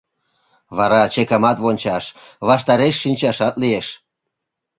Вара чекымат вончаш, ваштареш шинчашат лиеш.